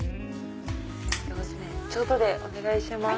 ちょうどでお願いします。